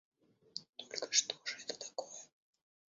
Только что же это такое?